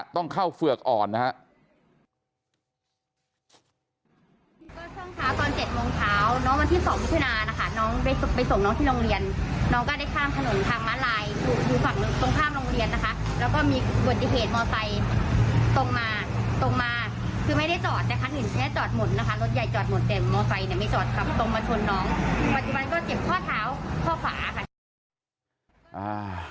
ต้องเข้าเฝือกอ่อนนะครับ